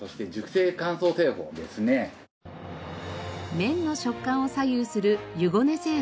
麺の食感を左右する湯ごね製法。